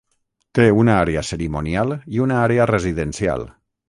Té una àrea cerimonial i una àrea residencial.